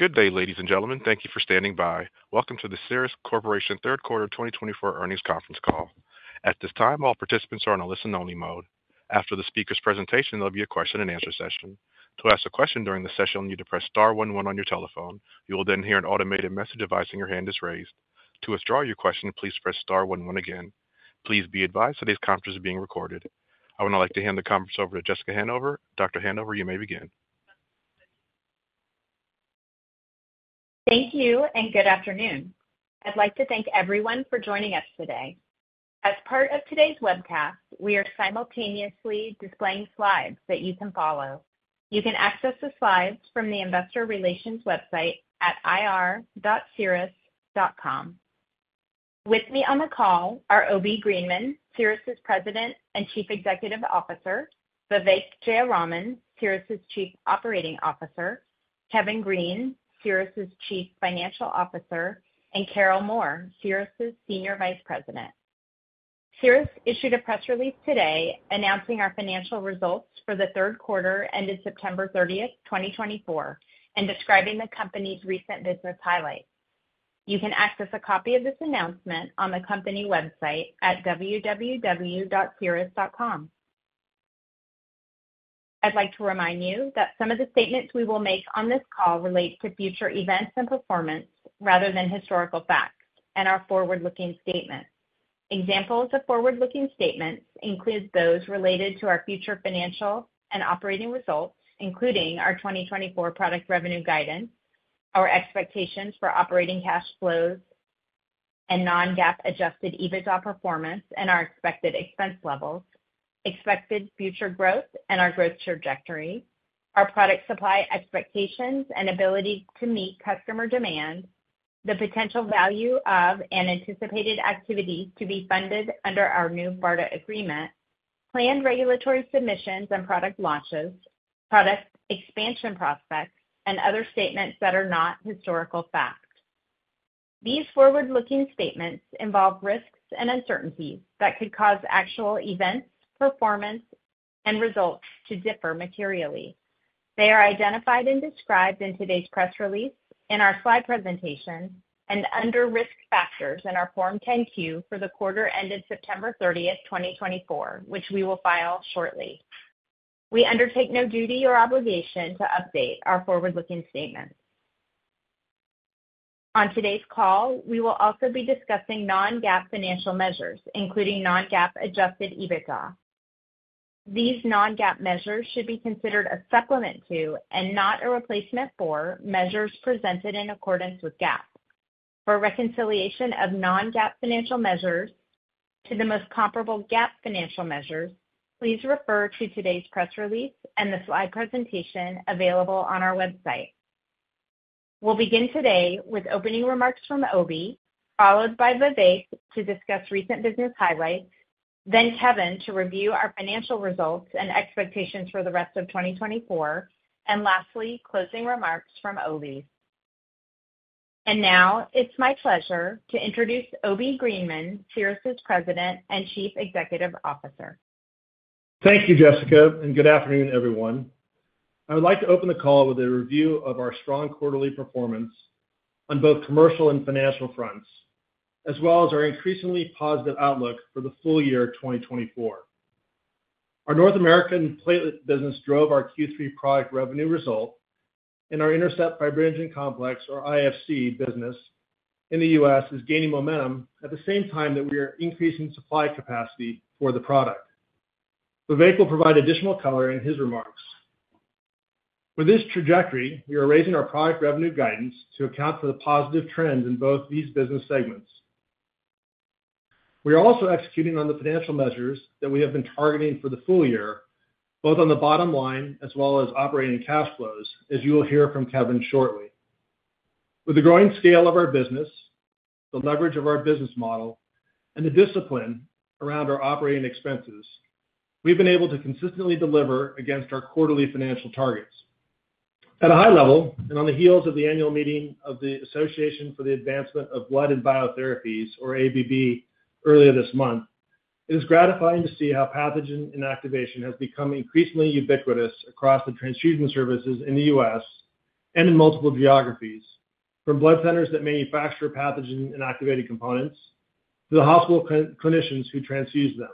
Good day, ladies and gentlemen. Thank you for standing by. Welcome to the Cerus Corporation third quarter 2024 earnings conference call. At this time, all participants are on a listen-only mode. After the speaker's presentation, there'll be a question-and-answer session. To ask a question during the session, you need to press star one one on your telephone. You will then hear an automated message advising your hand is raised. To withdraw your question, please press Star 11 again. Please be advised today's conference is being recorded. I would now like to hand the conference over to Jessica Hanover. Dr. Hanover, you may begin. Thank you and good afternoon. I'd like to thank everyone for joining us today. As part of today's webcast, we are simultaneously displaying slides that you can follow. You can access the slides from the Investor Relations website at ir.cerus.com. With me on the call are Obi Greenman, Cerus' President and Chief Executive Officer, Vivek Jayaraman, Cerus' Chief Operating Officer, Kevin Green, Cerus' Chief Financial Officer, and Carol Moore, Cerus' Senior Vice President. Cerus issued a press release today announcing our financial results for the third quarter ended September 30th, 2024, and describing the company's recent business highlights. You can access a copy of this announcement on the company website at www.cerus.com. I'd like to remind you that some of the statements we will make on this call relate to future events and performance rather than historical facts and our forward-looking statements. Examples of forward-looking statements include those related to our future financial and operating results, including our 2024 product revenue guidance, our expectations for operating cash flows and Non-GAAP Adjusted EBITDA performance, and our expected expense levels, expected future growth and our growth trajectory, our product supply expectations and ability to meet customer demand, the potential value of and anticipated activities to be funded under our new BARDA agreement, planned regulatory submissions and product launches, product expansion prospects, and other statements that are not historical facts. These forward-looking statements involve risks and uncertainties that could cause actual events, performance, and results to differ materially. They are identified and described in today's press release in our slide presentation and under risk factors in our Form 10-Q for the quarter ended September 30th, 2024, which we will file shortly. We undertake no duty or obligation to update our forward-looking statements. On today's call, we will also be discussing non-GAAP financial measures, including non-GAAP adjusted EBITDA. These non-GAAP measures should be considered a supplement to and not a replacement for measures presented in accordance with GAAP. For reconciliation of non-GAAP financial measures to the most comparable GAAP financial measures, please refer to today's press release and the slide presentation available on our website. We'll begin today with opening remarks from Obi, followed by Vivek to discuss recent business highlights, then Kevin to review our financial results and expectations for the rest of 2024, and lastly, closing remarks from Obi. And now it's my pleasure to introduce Obi Greenman, Cerus' President and Chief Executive Officer. Thank you, Jessica, and good afternoon, everyone. I would like to open the call with a review of our strong quarterly performance on both commercial and financial fronts, as well as our increasingly positive outlook for the full year 2024. Our North American platelet business drove our Q3 product revenue result, and our INTERCEPT Fibrinogen Complex, or IFC, business in the U.S. is gaining momentum at the same time that we are increasing supply capacity for the product. Vivek will provide additional color in his remarks. With this trajectory, we are raising our product revenue guidance to account for the positive trends in both these business segments. We are also executing on the financial measures that we have been targeting for the full year, both on the bottom line as well as operating cash flows, as you will hear from Kevin shortly. With the growing scale of our business, the leverage of our business model, and the discipline around our operating expenses, we've been able to consistently deliver against our quarterly financial targets. At a high level, and on the heels of the annual meeting of the Association for the Advancement of Blood and Biotherapies, or AABB, earlier this month, it is gratifying to see how pathogen inactivation has become increasingly ubiquitous across the transfusion services in the U.S. and in multiple geographies, from blood centers that manufacture pathogen inactivated components to the hospital clinicians who transfuse them,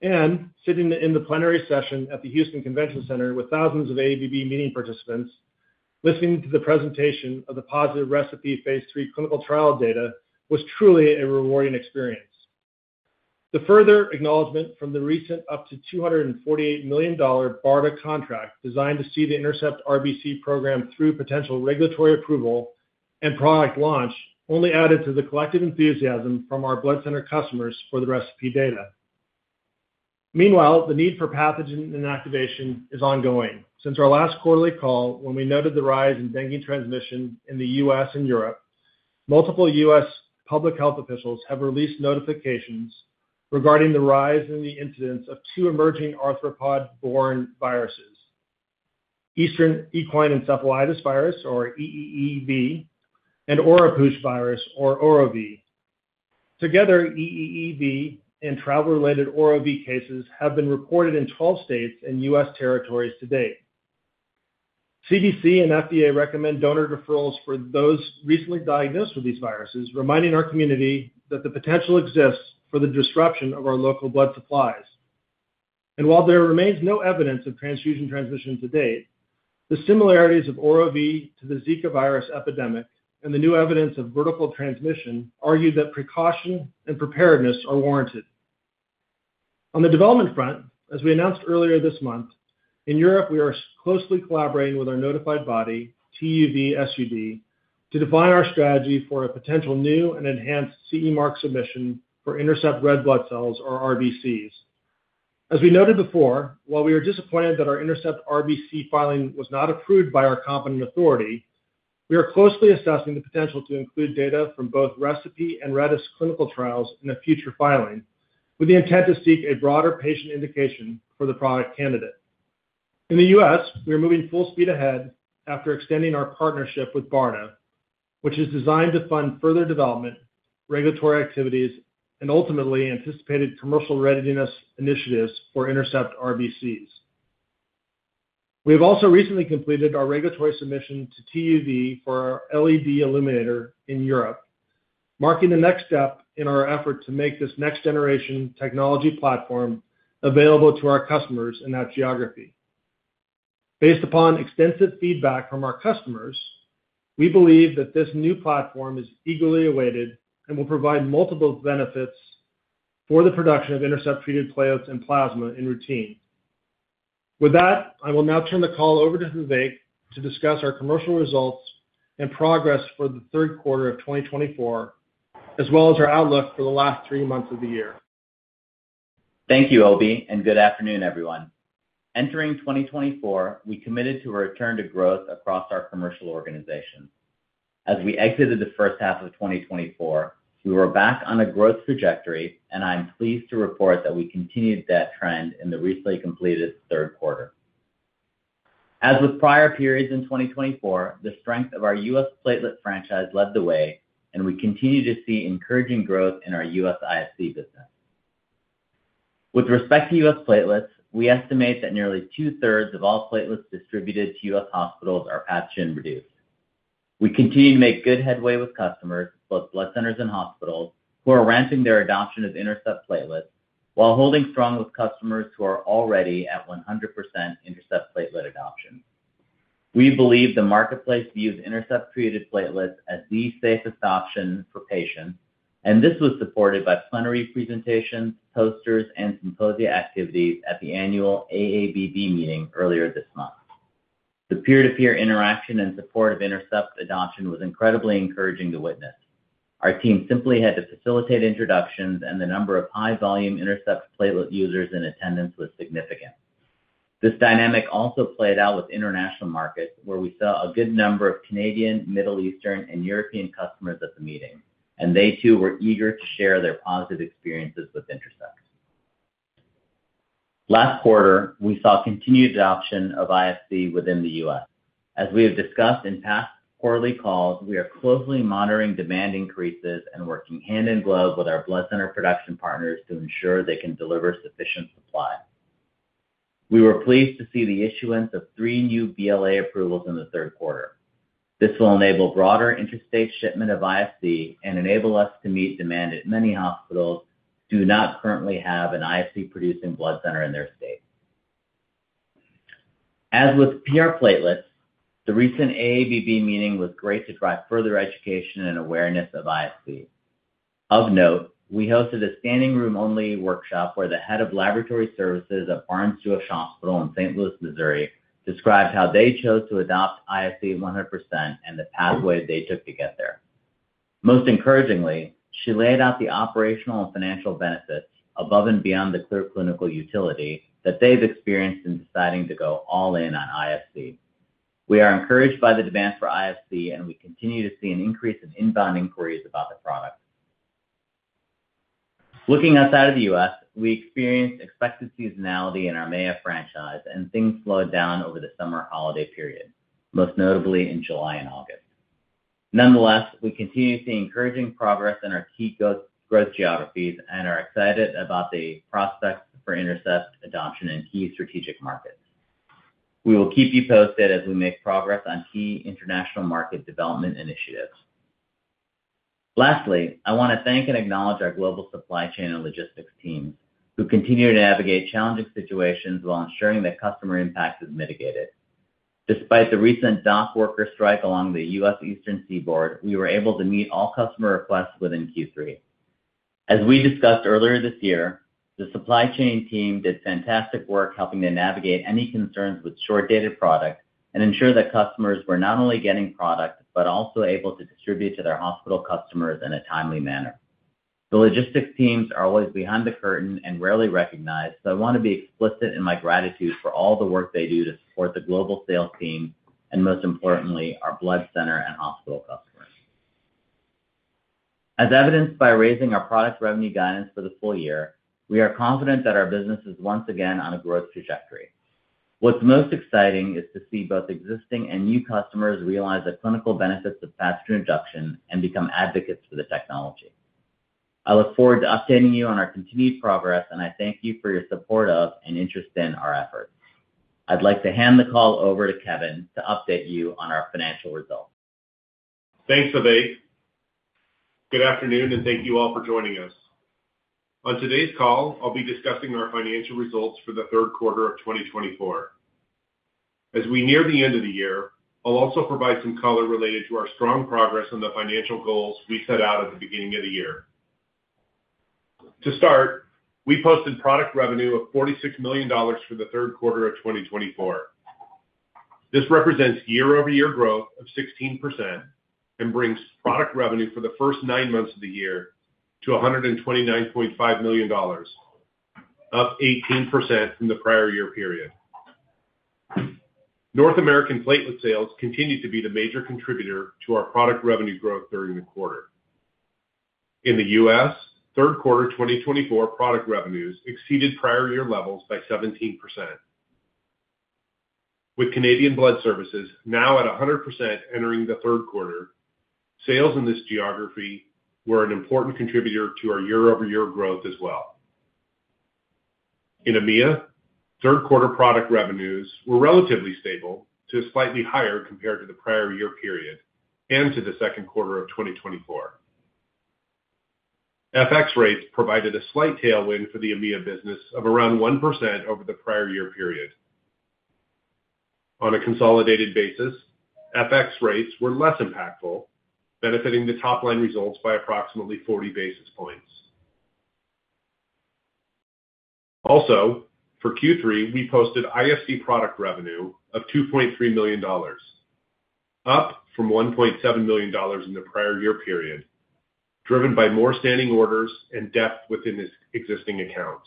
and sitting in the plenary session at the Houston Convention Center with thousands of AABB meeting participants, listening to the presentation of the positive ReCePI phase three clinical trial data was truly a rewarding experience. The further acknowledgment from the recent up to $248 million BARDA contract designed to see the INTERCEPT RBC program through potential regulatory approval and product launch only added to the collective enthusiasm from our blood center customers for the ReCePI data. Meanwhile, the need for pathogen inactivation is ongoing. Since our last quarterly call, when we noted the rise in dengue transmission in the U.S. and Europe, multiple U.S. public health officials have released notifications regarding the rise in the incidence of two emerging arthropod-borne viruses: Eastern Equine Encephalitis Virus, or EEEV, and Oropouche Virus, or OROV. Together, EEEV and travel-related OROV cases have been reported in 12 states and U.S. territories to date. CDC and FDA recommend donor deferrals for those recently diagnosed with these viruses, reminding our community that the potential exists for the disruption of our local blood supplies. While there remains no evidence of transfusion transmission to date, the similarities of OROV to the Zika virus epidemic and the new evidence of vertical transmission argue that precaution and preparedness are warranted. On the development front, as we announced earlier this month, in Europe, we are closely collaborating with our notified body, TÜV SÜD, to define our strategy for a potential new and enhanced CE mark submission for INTERCEPT Red Blood Cells, or RBCs. As we noted before, while we are disappointed that our INTERCEPT RBC filing was not approved by our competent authority, we are closely assessing the potential to include data from both ReCePI and RedeS clinical trials in a future filing with the intent to seek a broader patient indication for the product candidate. In the U.S., we are moving full speed ahead after extending our partnership with BARDA, which is designed to fund further development, regulatory activities, and ultimately anticipated commercial readiness initiatives for INTERCEPT RBCs. We have also recently completed our regulatory submission to TÜV SÜD for our LED Illuminator in Europe, marking the next step in our effort to make this next-generation technology platform available to our customers in that geography. Based upon extensive feedback from our customers, we believe that this new platform is eagerly awaited and will provide multiple benefits for the production of INTERCEPT-treated platelets and plasma in routine. With that, I will now turn the call over to Vivek to discuss our commercial results and progress for the third quarter of 2024, as well as our outlook for the last three months of the year. Thank you, Obi, and good afternoon, everyone. Entering 2024, we committed to a return to growth across our commercial organization. As we exited the first half of 2024, we were back on a growth trajectory, and I'm pleased to report that we continued that trend in the recently completed third quarter. As with prior periods in 2024, the strength of our U.S. platelet franchise led the way, and we continue to see encouraging growth in our U.S. IFC business. With respect to U.S. platelets, we estimate that nearly two-thirds of all platelets distributed to U.S. hospitals are pathogen-reduced. We continue to make good headway with customers, both blood centers and hospitals, who are ramping their adoption of INTERCEPT platelets while holding strong with customers who are already at 100% INTERCEPT platelet adoption We believe the marketplace views INTERCEPT-treated platelets as the safest option for patients, and this was supported by plenary presentations, posters, and symposia activities at the annual AABB meeting earlier this month. The peer-to-peer interaction and support of INTERCEPT adoption was incredibly encouraging to witness. Our team simply had to facilitate introductions, and the number of high-volume INTERCEPT platelet users in attendance was significant. This dynamic also played out with international markets, where we saw a good number of Canadian, Middle Eastern, and European customers at the meeting, and they too were eager to share their positive experiences with INTERCEPT. Last quarter, we saw continued adoption of IFC within the U.S. As we have discussed in past quarterly calls, we are closely monitoring demand increases and working hand in glove with our blood center production partners to ensure they can deliver sufficient supply. We were pleased to see the issuance of three new BLA approvals in the third quarter. This will enable broader interstate shipment of IFC and enable us to meet demand at many hospitals who do not currently have an IFC-producing blood center in their state. As with PR platelets, the recent AABB meeting was great to drive further education and awareness of IFC. Of note, we hosted a standing room-only workshop where the head of laboratory services at Barnes-Jewish Hospital in St. Louis, Missouri, described how they chose to adopt IFC 100% and the pathway they took to get there. Most encouragingly, she laid out the operational and financial benefits above and beyond the clear clinical utility that they've experienced in deciding to go all in on IFC. We are encouraged by the demand for IFC, and we continue to see an increase in inbound inquiries about the product. Looking outside of the U.S., we experienced expected seasonality in our EMEA franchise, and things slowed down over the summer holiday period, most notably in July and August. Nonetheless, we continue to see encouraging progress in our key growth geographies and are excited about the prospects for INTERCEPT adoption in key strategic markets. We will keep you posted as we make progress on key international market development initiatives. Lastly, I want to thank and acknowledge our global supply chain and logistics teams who continue to navigate challenging situations while ensuring that customer impact is mitigated. Despite the recent dock worker strike along the U.S. Eastern Seaboard, we were able to meet all customer requests within Q3. As we discussed earlier this year, the supply chain team did fantastic work helping to navigate any concerns with short-dated product and ensure that customers were not only getting product but also able to distribute to their hospital customers in a timely manner. The logistics teams are always behind the curtain and rarely recognized, so I want to be explicit in my gratitude for all the work they do to support the global sales team and, most importantly, our blood center and hospital customers. As evidenced by raising our product revenue guidance for the full year, we are confident that our business is once again on a growth trajectory. What's most exciting is to see both existing and new customers realize the clinical benefits of pathogen inactivation and become advocates for the technology. I look forward to updating you on our continued progress, and I thank you for your support of and interest in our efforts. I'd like to hand the call over to Kevin to update you on our financial results. Thanks, Vivek. Good afternoon, and thank you all for joining us. On today's call, I'll be discussing our financial results for the third quarter of 2024. As we near the end of the year, I'll also provide some color related to our strong progress on the financial goals we set out at the beginning of the year. To start, we posted product revenue of $46 million for the third quarter of 2024. This represents year-over-year growth of 16% and brings product revenue for the first nine months of the year to $129.5 million, up 18% from the prior year period. North American platelet sales continued to be the major contributor to our product revenue growth during the quarter. In the U.S., third quarter 2024 product revenues exceeded prior year levels by 17%. With Canadian Blood Services now at 100% entering the third quarter, sales in this geography were an important contributor to our year-over-year growth as well. In EMEA, third quarter product revenues were relatively stable to slightly higher compared to the prior year period and to the second quarter of 2024. FX rates provided a slight tailwind for the EMEA business of around 1% over the prior year period. On a consolidated basis, FX rates were less impactful, benefiting the top line results by approximately 40 basis points. Also, for Q3, we posted IFC product revenue of $2.3 million, up from $1.7 million in the prior year period, driven by more standing orders and depth within existing accounts.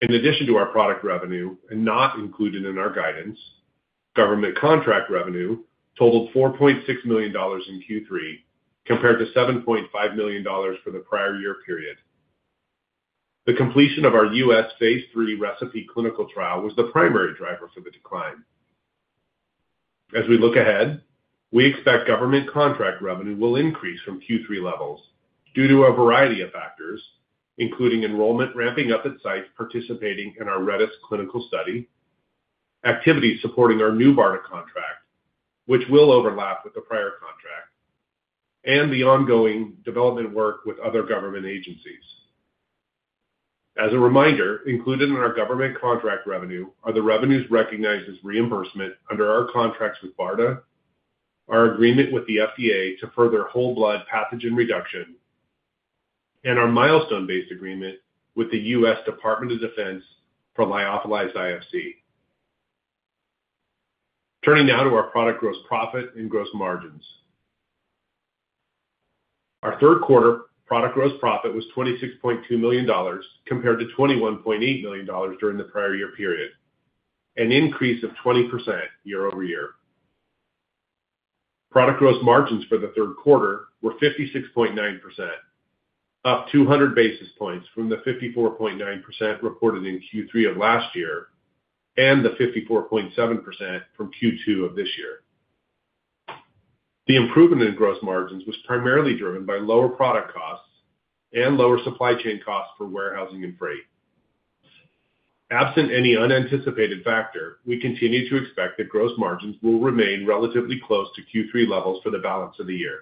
In addition to our product revenue, and not included in our guidance, government contract revenue totaled $4.6 million in Q3 compared to $7.5 million for the prior year period. The completion of our U.S. III ReCePI clinical trial was the primary driver for the decline. As we look ahead, we expect government contract revenue will increase from Q3 levels due to a variety of factors, including enrollment ramping up at sites participating in our RedeS clinical study, activities supporting our new BARDA contract, which will overlap with the prior contract, and the ongoing development work with other government agencies. As a reminder, included in our government contract revenue are the revenues recognized as reimbursement under our contracts with BARDA, our agreement with the FDA to further whole blood pathogen reduction, and our milestone-based agreement with the U.S. Department of Defense for lyophilized IFC. Turning now to our product gross profit and gross margins. Our third quarter product gross profit was $26.2 million compared to $21.8 million during the prior year period, an increase of 20% year-over-year. Product gross margins for the third quarter were 56.9%, up 200 basis points from the 54.9% reported in Q3 of last year and the 54.7% from Q2 of this year. The improvement in gross margins was primarily driven by lower product costs and lower supply chain costs for warehousing and freight. Absent any unanticipated factor, we continue to expect that gross margins will remain relatively close to Q3 levels for the balance of the year.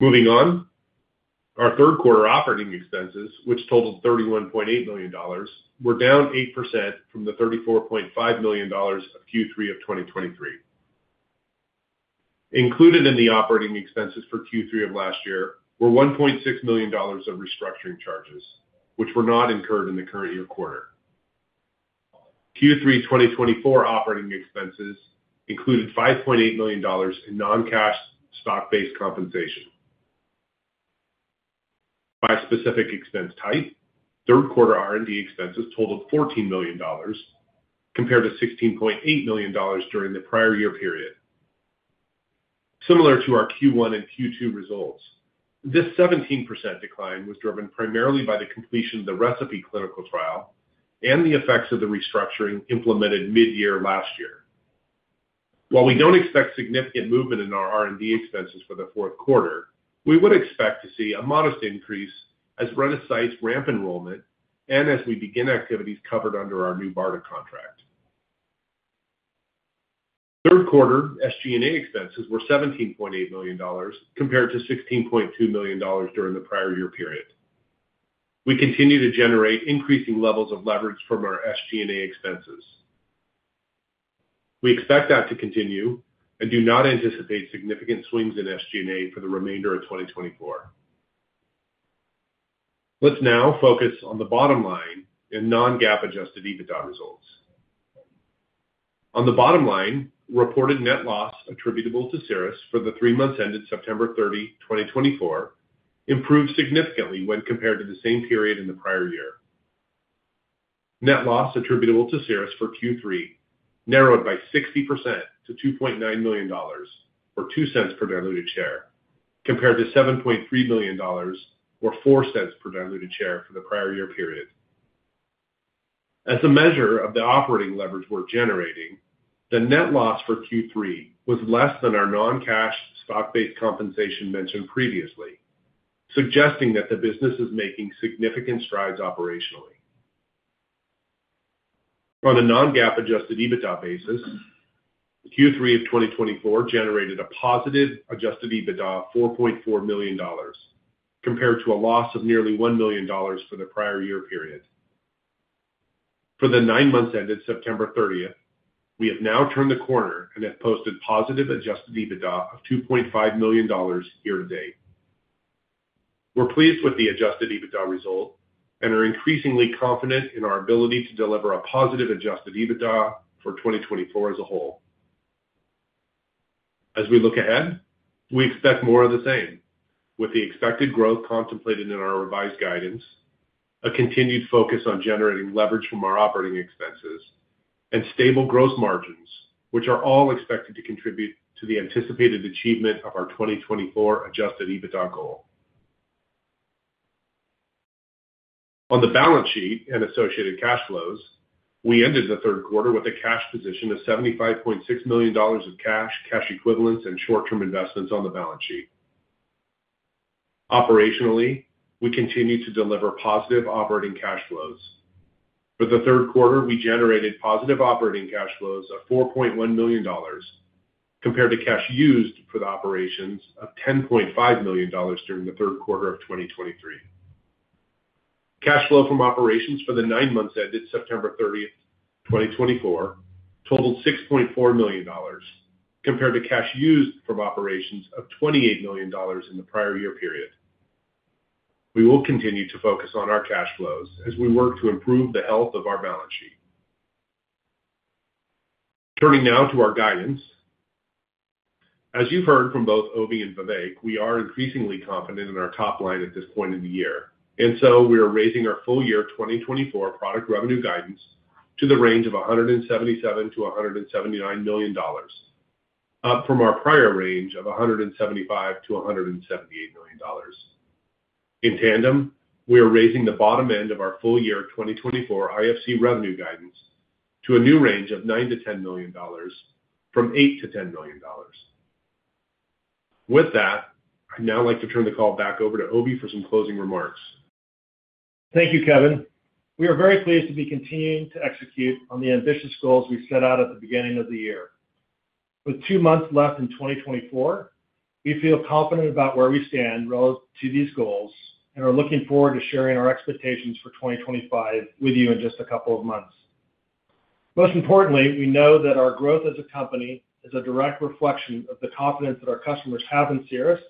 Moving on, our third quarter operating expenses, which totaled $31.8 million, were down 8% from the $34.5 million of Q3 of 2023. Included in the operating expenses for Q3 of last year were $1.6 million of restructuring charges, which were not incurred in the current year quarter. Q3 2024 operating expenses included $5.8 million in non-cash stock-based compensation. By specific expense type, third quarter R&D expenses totaled $14 million compared to $16.8 million during the prior year period. Similar to our Q1 and Q2 results, this 17% decline was driven primarily by the completion of the ReCePI clinical trial and the effects of the restructuring implemented mid-year last year. While we don't expect significant movement in our R&D expenses for the fourth quarter, we would expect to see a modest increase as RedeS sites ramp enrollment and as we begin activities covered under our new BARDA contract. Third quarter SG&A expenses were $17.8 million compared to $16.2 million during the prior year period. We continue to generate increasing levels of leverage from our SG&A expenses. We expect that to continue and do not anticipate significant swings in SG&A for the remainder of 2024. Let's now focus on the bottom line and non-GAAP adjusted EBITDA results. On the bottom line, reported net loss attributable to Cerus for the three months ended September 30, 2024, improved significantly when compared to the same period in the prior year. Net loss attributable to Cerus for Q3 narrowed by 60% to $2.9 million or $0.02 per diluted share compared to $7.3 million or $0.04 per diluted share for the prior year period. As a measure of the operating leverage we're generating, the net loss for Q3 was less than our non-cash stock-based compensation mentioned previously, suggesting that the business is making significant strides operationally. On a non-GAAP adjusted EBITDA basis, Q3 of 2024 generated a positive adjusted EBITDA of $4.4 million compared to a loss of nearly $1 million for the prior year period. For the nine months ended September 30th, we have now turned the corner and have posted positive adjusted EBITDA of $2.5 million year-to-date. We're pleased with the adjusted EBITDA result and are increasingly confident in our ability to deliver a positive adjusted EBITDA for 2024 as a whole. As we look ahead, we expect more of the same, with the expected growth contemplated in our revised guidance, a continued focus on generating leverage from our operating expenses, and stable gross margins, which are all expected to contribute to the anticipated achievement of our 2024 adjusted EBITDA goal. On the balance sheet and associated cash flows, we ended the third quarter with a cash position of $75.6 million of cash, cash equivalents, and short-term investments on the balance sheet. Operationally, we continue to deliver positive operating cash flows. For the third quarter, we generated positive operating cash flows of $4.1 million compared to cash used for the operations of $10.5 million during the third quarter of 2023. Cash flow from operations for the nine months ended September 30, 2024, totaled $6.4 million compared to cash used from operations of $28 million in the prior year period. We will continue to focus on our cash flows as we work to improve the health of our balance sheet. Turning now to our guidance. As you've heard from both Obi and Vivek, we are increasingly confident in our top line at this point in the year, and so we are raising our full year 2024 product revenue guidance to the range of $177 million-$179 million, up from our prior range of $175 million-$178 million. In tandem, we are raising the bottom end of our full year 2024 IFC revenue guidance to a new range of $9 million-$10 million from $8 million-$10 million. With that, I'd now like to turn the call back over to Obi for some closing remarks. Thank you, Kevin. We are very pleased to be continuing to execute on the ambitious goals we set out at the beginning of the year. With two months left in 2024, we feel confident about where we stand relative to these goals and are looking forward to sharing our expectations for 2025 with you in just a couple of months. Most importantly, we know that our growth as a company is a direct reflection of the confidence that our customers have in Cerus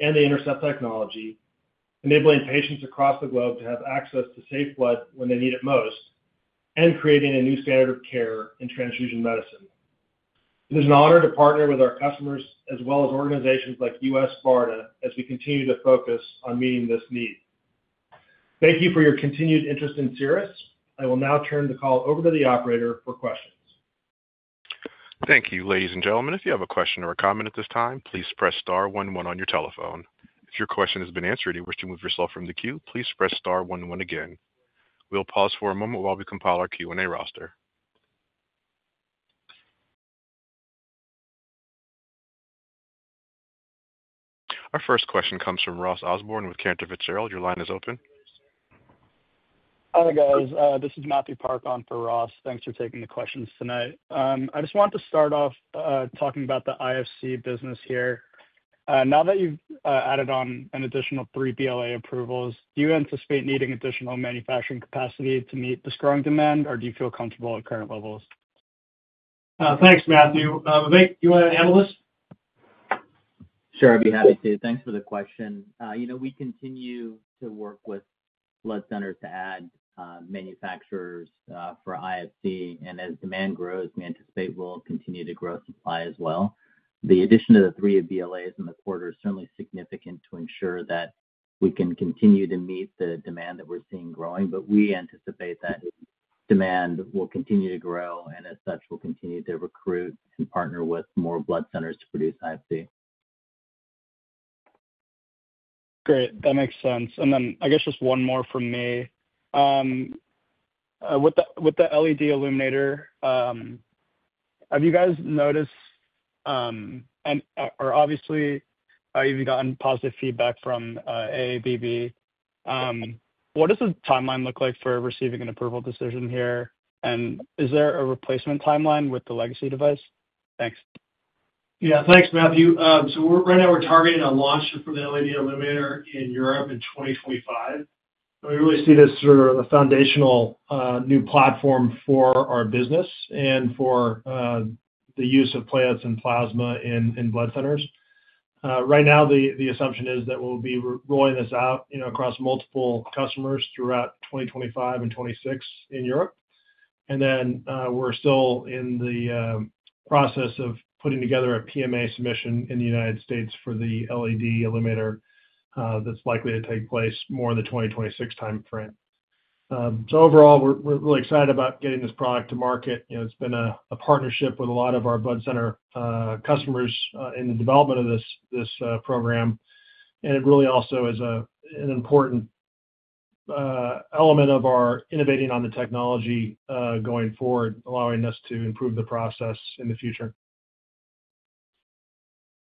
and the INTERCEPT technology, enabling patients across the globe to have access to safe blood when they need it most and creating a new standard of care in transfusion medicine. It is an honor to partner with our customers as well as organizations like U.S. BARDA as we continue to focus on meeting this need. Thank you for your continued interest in Cerus. I will now turn the call over to the operator for questions. Thank you, ladies and gentlemen. If you have a question or a comment at this time, please press star one one on your telephone. If your question has been answered and you wish to move yourself from the queue, please press star one one again. We'll pause for a moment while we compile our Q&A roster. Our first question comes from Ross Osborne with Cantor Fitzgerald. Your line is open. Hi guys. This is Matthew Park for Ross. Thanks for taking the questions tonight. I just want to start off talking about the IFC business here. Now that you've added on an additional three BLA approvals, do you anticipate needing additional manufacturing capacity to meet the strong demand, or do you feel comfortable at current levels? Thanks, Matthew. Vivek, do you want to handle this? Sure, I'd be happy to. Thanks for the question. We continue to work with blood centers to add manufacturers for IFC, and as demand grows, we anticipate we'll continue to grow supply as well. The addition of the three BLAs in the quarter is certainly significant to ensure that we can continue to meet the demand that we're seeing growing, but we anticipate that demand will continue to grow, and as such, we'll continue to recruit and partner with more blood centers to produce IFC. Great. That makes sense. And then I guess just one more from me. With the LED Illuminator, have you guys noticed, or obviously, have you gotten positive feedback from AABB? What does the timeline look like for receiving an approval decision here, and is there a replacement timeline with the legacy device? Thanks. Yeah, thanks, Matthew. So right now, we're targeting a launch for the LED Illuminator in Europe in 2025. We really see this through the foundational new platform for our business and for the use of platelets and plasma in blood centers. Right now, the assumption is that we'll be rolling this out across multiple customers throughout 2025 and 2026 in Europe. And then we're still in the process of putting together a PMA submission in the United States for the LED Illuminator that's likely to take place more in the 2026 timeframe. So overall, we're really excited about getting this product to market. It's been a partnership with a lot of our blood center customers in the development of this program, and it really also is an important element of our innovating on the technology going forward, allowing us to improve the process in the future.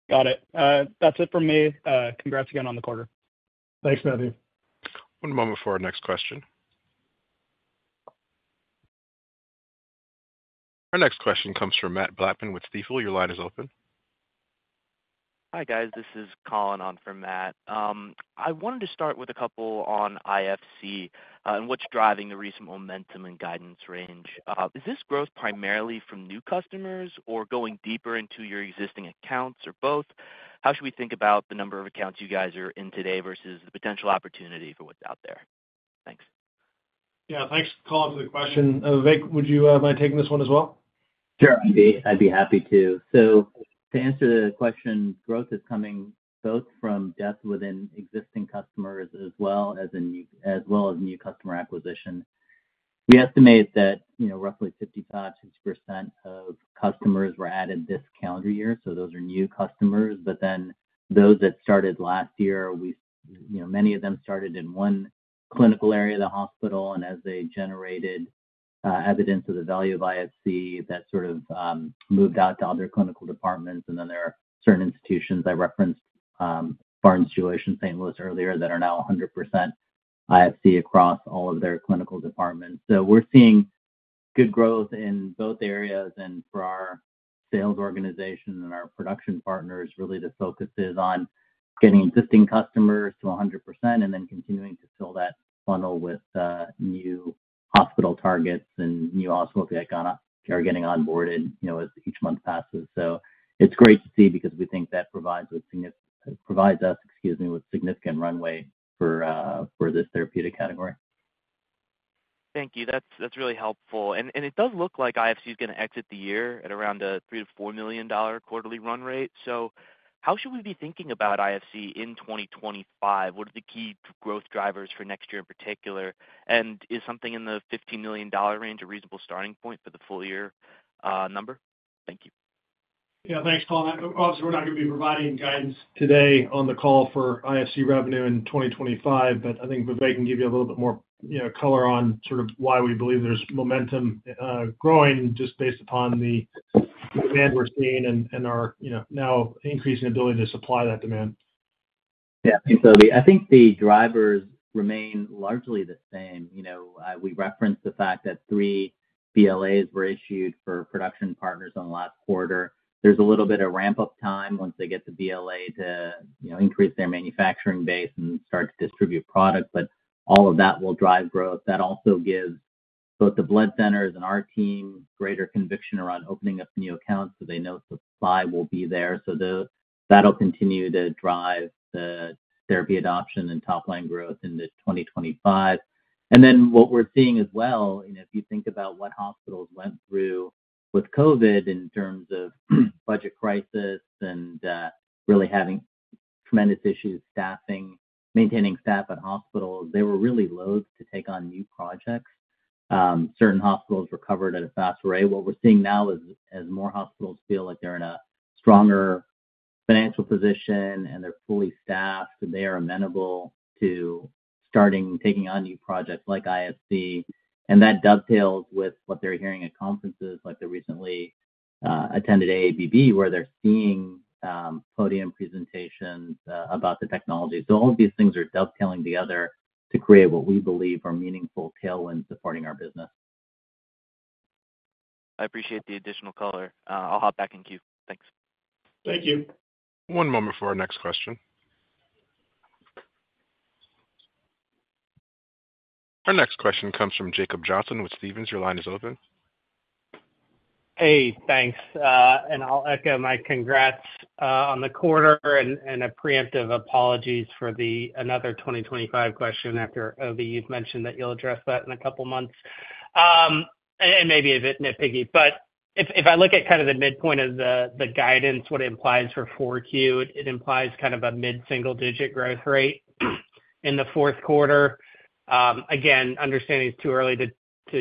Got it. That's it for me. Congrats again on the quarter. Thanks, Matthew. One moment for our next question. Our next question comes from Matt Blackman with Stifel. Your line is open. Hi guys. This is Colin on for Matt. I wanted to start with a couple on IFC and what's driving the recent momentum in guidance range. Is this growth primarily from new customers or going deeper into your existing accounts or both? How should we think about the number of accounts you guys are in today versus the potential opportunity for what's out there? Thanks. Yeah, thanks, Colin, for the question. Vik, would you mind taking this one as well? Sure, I'd be happy to. So to answer the question, growth is coming both from depth within existing customers as well as new customer acquisition. We estimate that roughly 55%-60% of customers were added this calendar year. So those are new customers, but then those that started last year, many of them started in one clinical area of the hospital, and as they generated evidence of the value of IFC, that sort of moved out to other clinical departments. And then there are certain institutions I referenced, Barnes-Jewish and St. Louis earlier, that are now 100% IFC across all of their clinical departments. So we're seeing good growth in both areas, and for our sales organization and our production partners, really the focus is on getting existing customers to 100% and then continuing to fill that funnel with new hospital targets and new hospital that are getting onboarded as each month passes. So it's great to see because we think that provides us with significant runway for this therapeutic category. Thank you. That's really helpful. And it does look like IFC is going to exit the year at around a $3 million-$4 million quarterly run rate. So how should we be thinking about IFC in 2025? What are the key growth drivers for next year in particular? And is something in the $15 million range a reasonable starting point for the full year number? Thank you. Yeah, thanks, Colin. Obviously, we're not going to be providing guidance today on the call for IFC revenue in 2025, but I think Vivek can give you a little bit more color on sort of why we believe there's momentum growing just based upon the demand we're seeing and our now increasing ability to supply that demand. Yeah, thanks, Obi. I think the drivers remain largely the same. We referenced the fact that three BLAs were issued for production partners in the last quarter. There's a little bit of ramp-up time once they get the BLA to increase their manufacturing base and start to distribute product, but all of that will drive growth. That also gives both the blood centers and our team greater conviction around opening up new accounts so they know supply will be there. So that'll continue to drive the therapy adoption and top-line growth into 2025. And then what we're seeing as well, if you think about what hospitals went through with COVID in terms of budget crisis and really having tremendous issues maintaining staff at hospitals, they were really loathed to take on new projects. Certain hospitals were covered at a fast rate. What we're seeing now is more hospitals feel like they're in a stronger financial position and they're fully staffed and they are amenable to starting taking on new projects like IFC, and that dovetails with what they're hearing at conferences like they recently attended AABB, where they're seeing podium presentations about the technology, so all of these things are dovetailing together to create what we believe are meaningful tailwinds supporting our business. I appreciate the additional color. I'll hop back in queue. Thanks. Thank you. One moment for our next question. Our next question comes from Jacob Johnson with Stephens. Your line is open. Hey, thanks. And I'll echo my congrats on the quarter and a preemptive apologies for another 2025 question after Obi. You've mentioned that you'll address that in a couple of months and maybe a bit nitpicky. But if I look at kind of the midpoint of the guidance, what it implies for Q4, it implies kind of a mid-single-digit growth rate in the fourth quarter. Again, understanding it's too early to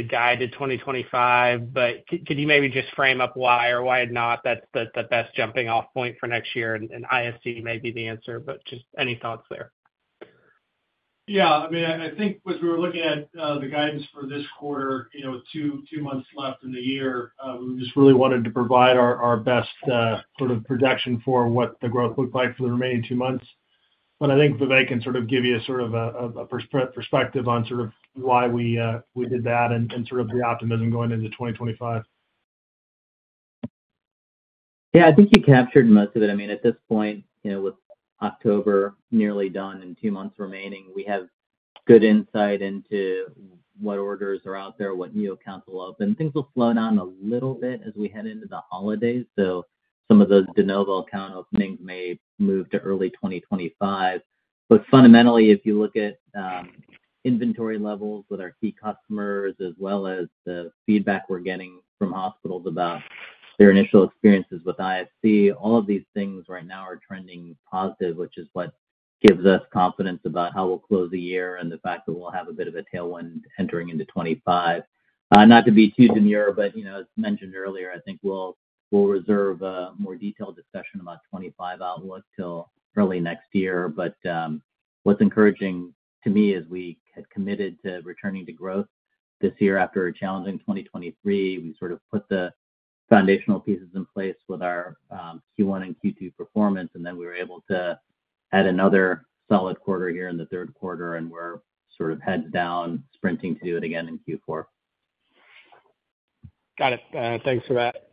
guide to 2025, but could you maybe just frame up why or why not that's the best jumping-off point for next year? And IFC may be the answer, but just any thoughts there? Yeah. I mean, I think as we were looking at the guidance for this quarter, with two months left in the year, we just really wanted to provide our best sort of projection for what the growth looked like for the remaining two months. But I think Vivek can sort of give you sort of a perspective on sort of why we did that and sort of the optimism going into 2025. Yeah, I think you captured most of it. I mean, at this point, with October nearly done and two months remaining, we have good insight into what orders are out there, what new accounts will open. Things will slow down a little bit as we head into the holidays. So some of those de novo kind of things may move to early 2025. But fundamentally, if you look at inventory levels with our key customers as well as the feedback we're getting from hospitals about their initial experiences with IFC, all of these things right now are trending positive, which is what gives us confidence about how we'll close the year and the fact that we'll have a bit of a tailwind entering into 25. Not to be too demure, but as mentioned earlier, I think we'll reserve a more detailed discussion about 25 outlook till early next year. But what's encouraging to me is we had committed to returning to growth this year after a challenging 2023. We sort of put the foundational pieces in place with our Q1 and Q2 performance, and then we were able to add another solid quarter here in the third quarter, and we're sort of heads down sprinting to do it again in Q4. Got it. Thanks for that.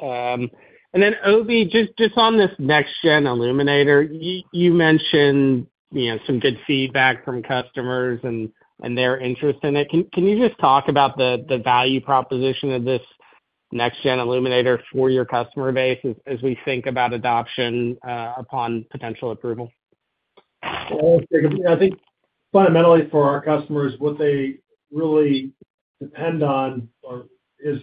And then, Obi, just on this next-gen illuminator, you mentioned some good feedback from customers and their interest in it. Can you just talk about the value proposition of this next-gen illuminator for your customer base as we think about adoption upon potential approval? I think fundamentally for our customers, what they really depend on is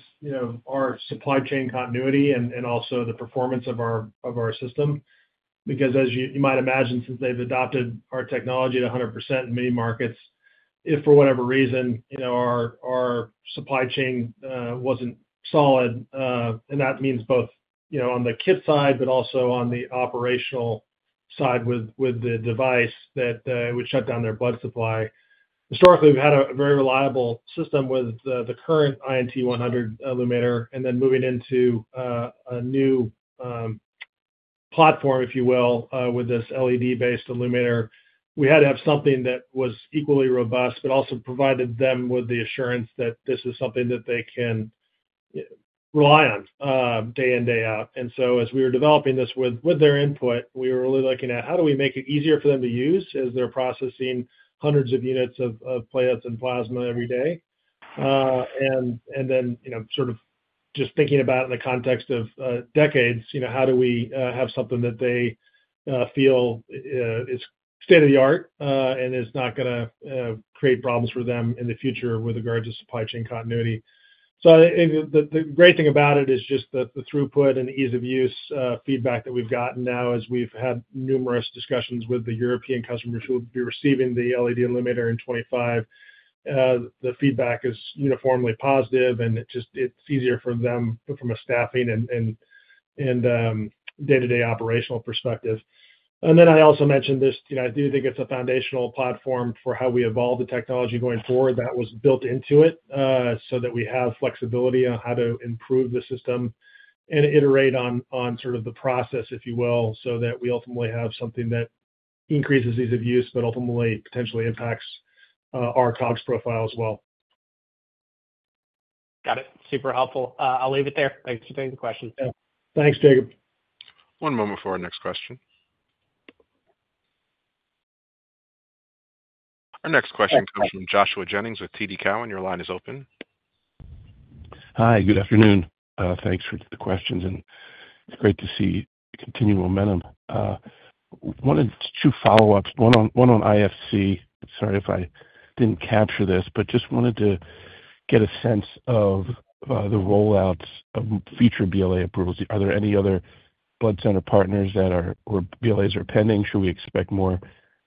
our supply chain continuity and also the performance of our system. Because as you might imagine, since they've adopted our technology to 100% in many markets, if for whatever reason our supply chain wasn't solid, and that means both on the kit side but also on the operational side with the device that it would shut down their blood supply. Historically, we've had a very reliable system with the current INT100 Illuminator, and then moving into a new platform, if you will, with this LED-based illuminator, we had to have something that was equally robust but also provided them with the assurance that this is something that they can rely on day in, day out. And so as we were developing this with their input, we were really looking at how do we make it easier for them to use as they're processing hundreds of units of platelets and plasma every day. And then sort of just thinking about it in the context of decades, how do we have something that they feel is state of the art and is not going to create problems for them in the future with regards to supply chain continuity? So I think the great thing about it is just the throughput and the ease of use feedback that we've gotten now as we've had numerous discussions with the European customers who will be receiving the LED Illuminator in 2025. The feedback is uniformly positive, and it's easier for them from a staffing and day-to-day operational perspective. And then I also mentioned this. I do think it's a foundational platform for how we evolve the technology going forward that was built into it so that we have flexibility on how to improve the system and iterate on sort of the process, if you will, so that we ultimately have something that increases ease of use but ultimately potentially impacts our cost profile as well. Got it. Super helpful. I'll leave it there. Thanks for taking the question. Yeah. Thanks, Jacob. One moment for our next question. Our next question comes from Joshua Jennings with TD Cowen. Your line is open. Hi, good afternoon. Thanks for the questions, and it's great to see continued momentum. One or two follow-ups. One on IFC. Sorry if I didn't capture this, but just wanted to get a sense of the rollouts of future BLA approvals. Are there any other blood center partners that are or BLAs are pending? Should we expect more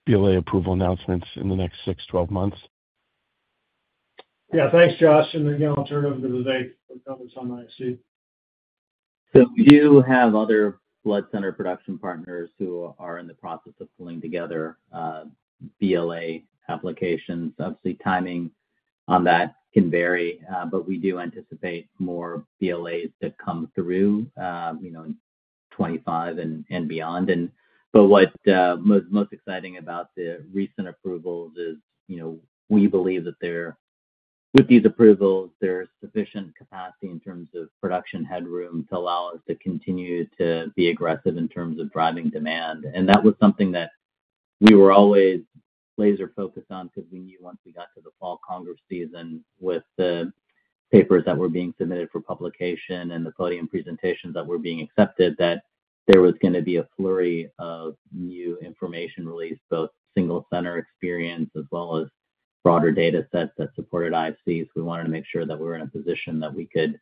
BLA approval announcements in the next 6-12 months? Yeah, thanks, Josh, and again, I'll turn it over to Vivek for comments on IFC. So we do have other blood center production partners who are in the process of pulling together BLA applications. Obviously, timing on that can vary, but we do anticipate more BLAs that come through in 2025 and beyond. But what's most exciting about the recent approvals is we believe that with these approvals, there is sufficient capacity in terms of production headroom to allow us to continue to be aggressive in terms of driving demand. And that was something that we were always laser-focused on because we knew once we got to the fall Congress season with the papers that were being submitted for publication and the podium presentations that were being accepted that there was going to be a flurry of new information released, both single-center experience as well as broader data sets that supported IFCs. We wanted to make sure that we were in a position that we could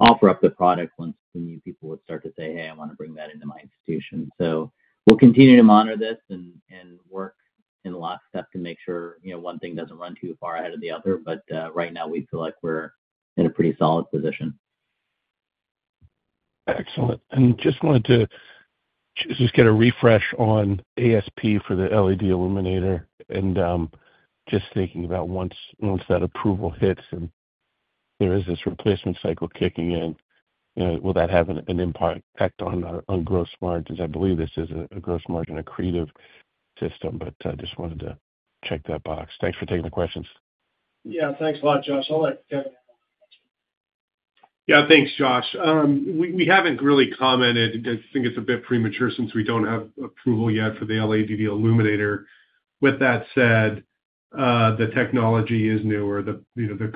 offer up the product once the new people would start to say, "Hey, I want to bring that into my institution." So we'll continue to monitor this and work in lockstep to make sure one thing doesn't run too far ahead of the other. But right now, we feel like we're in a pretty solid position. Excellent. And just wanted to just get a refresh on ASP for the LED illuminator. And just thinking about once that approval hits and there is this replacement cycle kicking in, will that have an impact on gross margins? I believe this is a gross margin accretive system, but I just wanted to check that box. Thanks for taking the questions. Yeah, thanks a lot, Josh. I'll let Kevin handle the question. Yeah, thanks, Josh. We haven't really commented. I think it's a bit premature since we don't have approval yet for the LED illuminator. With that said, the technology is newer. The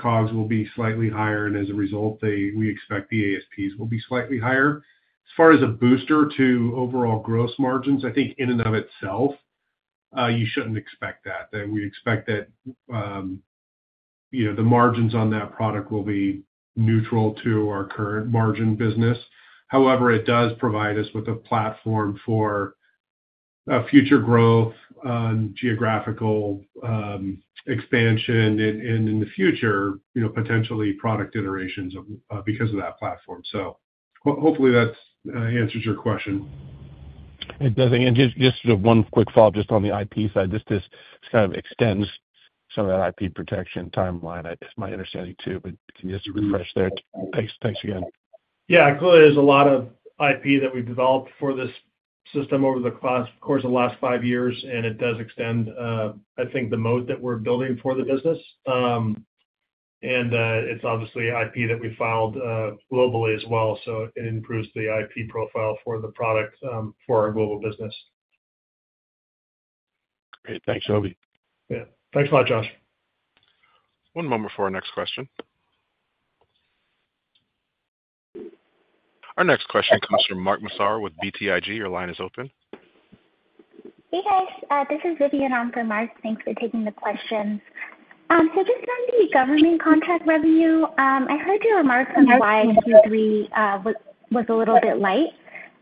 COGS will be slightly higher, and as a result, we expect the ASPs will be slightly higher. As far as a booster to overall gross margins, I think in and of itself, you shouldn't expect that. We expect that the margins on that product will be neutral to our current margin business. However, it does provide us with a platform for future growth on geographical expansion and in the future, potentially product iterations because of that platform. So hopefully that answers your question. It does. And just one quick follow-up just on the IP side. This kind of extends some of that IP protection timeline. It's my understanding too, but can you just refresh there? Thanks again. Yeah, clearly, there's a lot of IP that we've developed for this system over the course of the last five years, and it does extend, I think, the moat that we're building for the business, and it's obviously IP that we filed globally as well, so it improves the IP profile for the product for our global business. Great. Thanks, Obi. Yeah. Thanks a lot, Josh. One moment for our next question. Our next question comes from Mark Massaro with BTIG. Your line is open. Hey, guys. This is Vivian for Massaro. Thanks for taking the questions. So just on the government contract revenue, I heard your remarks on why Q3 was a little bit light.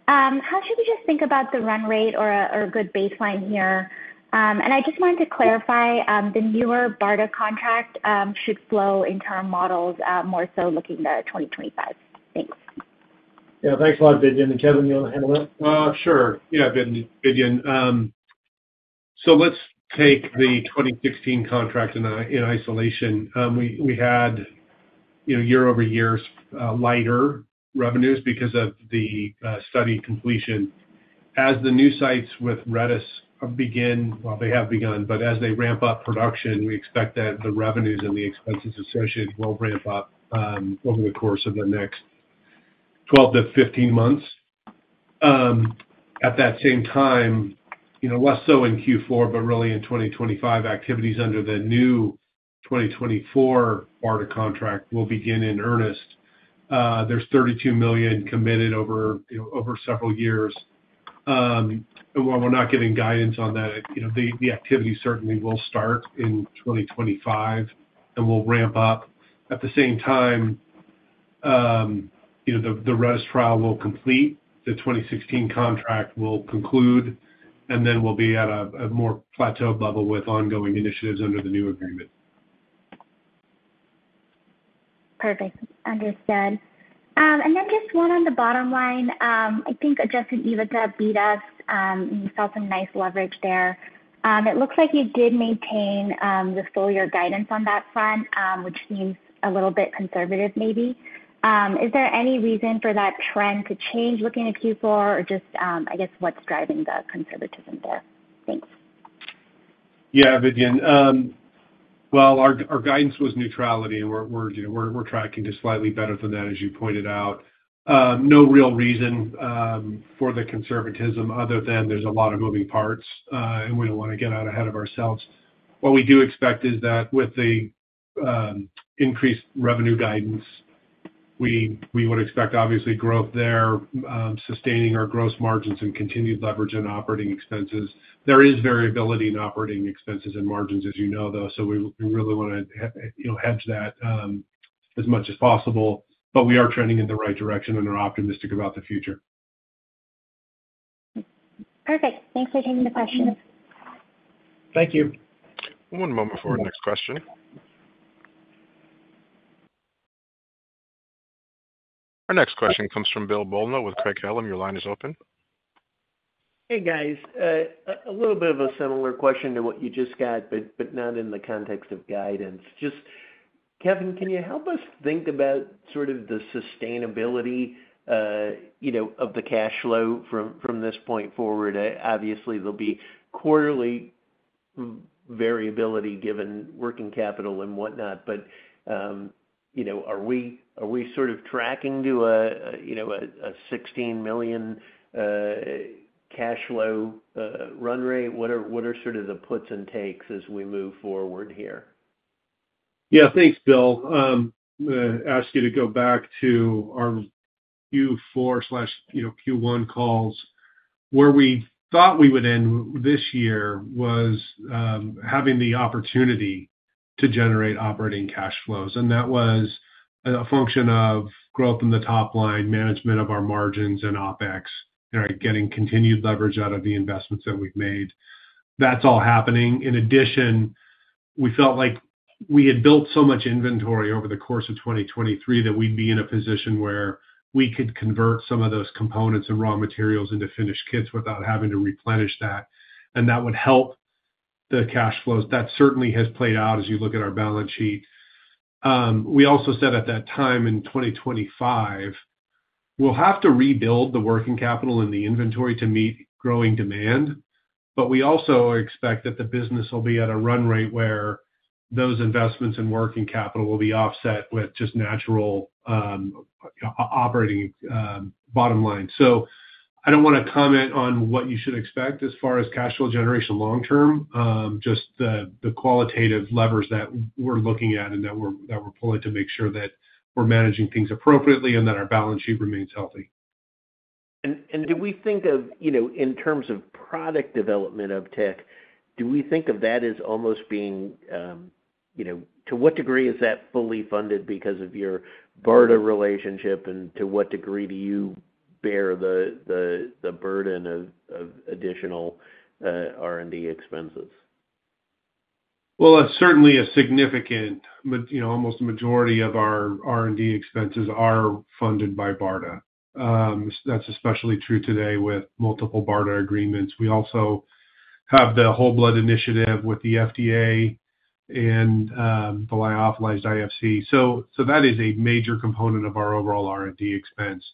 How should we just think about the run rate or a good baseline here? And I just wanted to clarify the newer BARDA contract should flow into our models more so looking to 2025. Thanks. Yeah, thanks a lot, Vivian. And Kevin, you want to handle that? Sure. Yeah, Vivian. So let's take the 2016 contract in isolation. We had year-over-year lighter revenues because of the study completion. As the new sites with RedeS begin. Well, they have begun. But as they ramp up production, we expect that the revenues and the expenses associated will ramp up over the course of the next 12 to 15 months. At that same time, less so in Q4, but really in 2025, activities under the new 2024 BARDA contract will begin in earnest. There's $32 million committed over several years. And while we're not getting guidance on that, the activity certainly will start in 2025 and will ramp up. At the same time, the RedeS trial will complete, the 2016 contract will conclude, and then we'll be at a more plateaued level with ongoing initiatives under the new agreement. Perfect. Understood. And then just one on the bottom line. I think Justin even said beat us, and you saw some nice leverage there. It looks like you did maintain the full year guidance on that front, which seems a little bit conservative maybe. Is there any reason for that trend to change looking at Q4, or just, I guess, what's driving the conservatism there? Thanks. Yeah, Vivian. Well, our guidance was neutrality. We're tracking just slightly better than that, as you pointed out. No real reason for the conservatism other than there's a lot of moving parts, and we don't want to get out ahead of ourselves. What we do expect is that with the increased revenue guidance, we would expect, obviously, growth there, sustaining our gross margins and continued leverage on operating expenses. There is variability in operating expenses and margins, as you know, though, so we really want to hedge that as much as possible. But we are trending in the right direction, and we're optimistic about the future. Perfect. Thanks for taking the questions. Thank you. One moment for our next question. Our next question comes from Bill Bonello with Craig-Hallum. Your line is open. Hey, guys. A little bit of a similar question to what you just got, but not in the context of guidance. Just, Kevin, can you help us think about sort of the sustainability of the cash flow from this point forward? Obviously, there'll be quarterly variability given working capital and whatnot, but are we sort of tracking to a $16 million cash flow run rate? What are sort of the puts and takes as we move forward here? Yeah, thanks, Bill. Ask you to go back to our Q4/Q1 calls. Where we thought we would end this year was having the opportunity to generate operating cash flows. And that was a function of growth in the top line, management of our margins and OpEx, and getting continued leverage out of the investments that we've made. That's all happening. In addition, we felt like we had built so much inventory over the course of 2023 that we'd be in a position where we could convert some of those components and raw materials into finished kits without having to replenish that. And that would help the cash flows. That certainly has played out as you look at our balance sheet. We also said at that time in 2025, we'll have to rebuild the working capital and the inventory to meet growing demand. But we also expect that the business will be at a run rate where those investments and working capital will be offset with just natural operating bottom line. So I don't want to comment on what you should expect as far as cash flow generation long-term, just the qualitative levers that we're looking at and that we're pulling to make sure that we're managing things appropriately and that our balance sheet remains healthy. And do we think of in terms of product development of tech, do we think of that as almost being to what degree is that fully funded because of your BARDA relationship, and to what degree do you bear the burden of additional R&D expenses? Certainly a significant almost majority of our R&D expenses are funded by BARDA. That's especially true today with multiple BARDA agreements. We also have the Whole Blood Initiative with the FDA and the BLA Authorization IFC. So that is a major component of our overall R&D expense.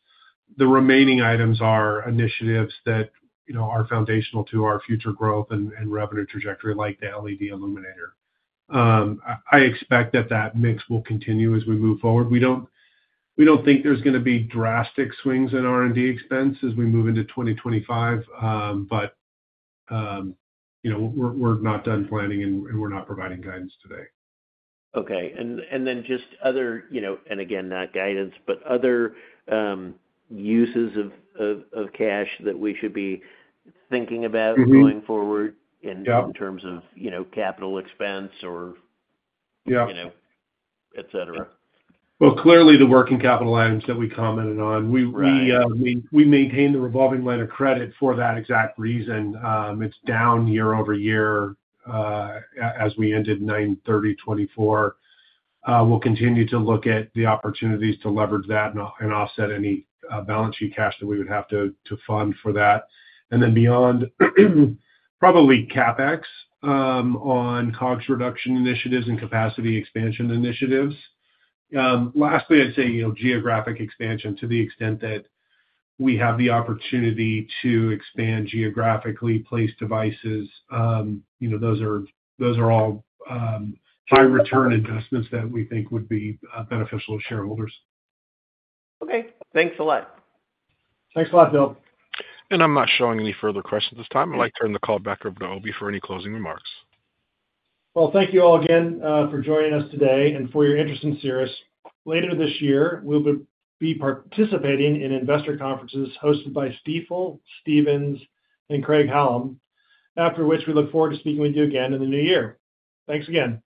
The remaining items are initiatives that are foundational to our future growth and revenue trajectory like the LED Illuminator. I expect that that mix will continue as we move forward. We don't think there's going to be drastic swings in R&D expense as we move into 2025, but we're not done planning, and we're not providing guidance today. Okay. And then just other and again, not guidance, but other uses of cash that we should be thinking about going forward in terms of capital expense or etc. Yeah. Well, clearly, the working capital items that we commented on, we maintain the revolving line of credit for that exact reason. It's down year-over-year as we ended 9/30/2024. We'll continue to look at the opportunities to leverage that and offset any balance sheet cash that we would have to fund for that. And then beyond, probably CapEx on COGS reduction initiatives and capacity expansion initiatives. Lastly, I'd say geographic expansion to the extent that we have the opportunity to expand geographically, place devices. Those are all high-return investments that we think would be beneficial to shareholders. Okay. Thanks a lot. Thanks a lot, Bill. I'm not showing any further questions at this time. I'd like to turn the call back over to Obi for any closing remarks. Thank you all again for joining us today and for your interest in Cerus. Later this year, we'll be participating in investor conferences hosted by Stifel, Stephens, and Craig-Hallum, after which we look forward to speaking with you again in the new year. Thanks again.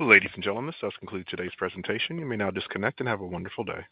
Ladies and gentlemen, this does conclude today's presentation. You may now disconnect and have a wonderful day.